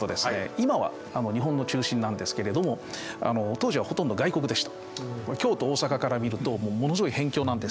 今は日本の中心なんですけれども当時はほとんど外国でした。